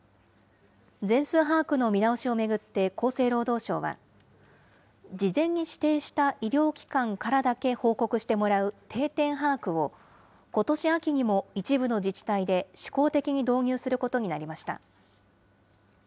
全数把握の見直しを巡って、厚生労働省は、事前に指定した医療機関からだけ報告してもらう定点把握を、ことし秋にも一部の自治体で試行的に導入することになりました。